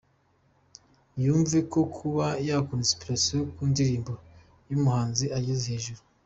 yumve ko kuba yakura ‘inspiration’ ku ndirimbo y’umuhanzi ugeze hejuru,